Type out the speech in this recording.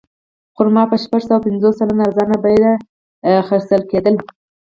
خرما په شپږ پنځوس سلنه ارزانه بیه پېرل کېده.